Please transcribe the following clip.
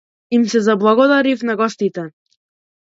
Им заблагодари на гостите.